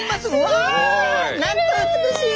わあなんと美しい！